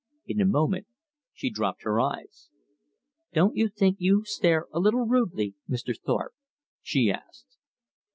In a moment she dropped her eyes. "Don't you think you stare a little rudely Mr. Thorpe?" she asked.